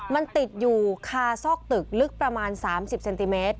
มันติดอยู่คาซอกตึกลึกประมาณ๓๐เซนติเมตร